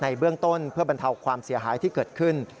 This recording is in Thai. เบื้องต้นเพื่อบรรเทาความเสียหายที่เกิดขึ้น